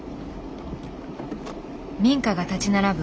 民家が立ち並ぶ